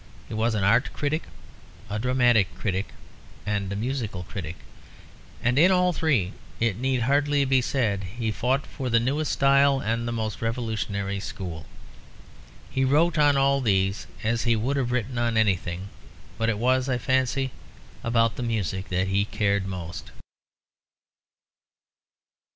He was an art critic, a dramatic critic, and a musical critic; and in all three, it need hardly be said, he fought for the newest style and the most revolutionary school. He wrote on all these as he would have written on anything; but it was, I fancy, about the music that he cared most.